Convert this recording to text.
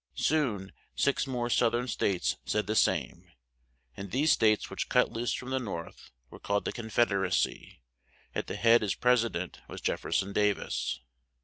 Soon, six more South ern states said the same; and these states which cut loose from the North were called the "Con fed er a cy;" at the head as pres i dent was Jef fer son Da vis.